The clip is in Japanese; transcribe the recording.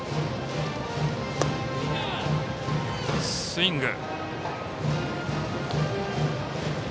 スイング。